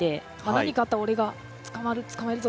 何かあったら俺がつかまえるぞ！